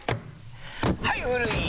はい古い！